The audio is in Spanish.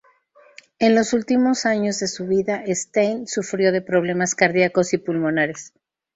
En los últimos años de su vida, Stein sufrió de problemas cardíacos y pulmonares.